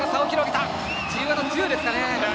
自由形強いですからね。